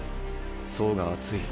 層が厚い。